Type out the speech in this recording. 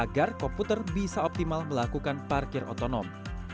agar komputer bisa optimal melakukan parkir otonom